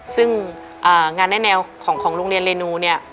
ซึ่งงานแน่แนวของโรงเรียนเรนูเนี่ย